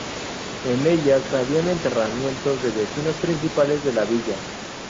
En ellas había enterramientos de vecinos principales de la villa.